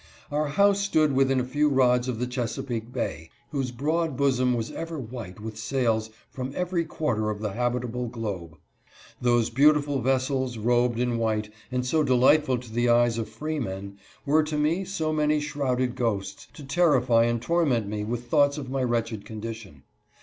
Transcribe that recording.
Our house stood within a few rods of the Chesapeake bay, whose broad bosom was ever white with sails from every quarter of the habitable globe. Those beautiful vessels, robed in white, and so delightful to the eyes of free men, were to me so many shrouded ghosts, to terrify and torment me with thoughts of my wretched condition.